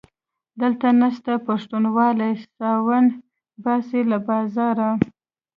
دلته نسته پښتونواله - ساوڼ باسي له بازاره